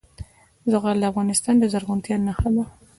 زغال د افغانستان د زرغونتیا نښه ده.